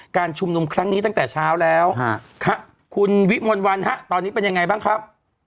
การชุมนุมครั้งนี้ตั้งแต่เช้าแล้วคุณวิมลวันฮะตอนนี้เป็นยังไงบ้างครับ